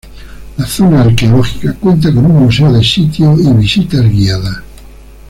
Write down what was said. La zona arqueológica cuenta con un museo de sitio y visitas guiadas.